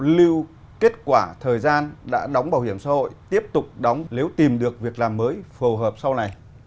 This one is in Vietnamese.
lưu kết quả thời gian đã đóng bảo hiểm xã hội tiếp tục đóng nếu tìm được việc làm mới phù hợp sau này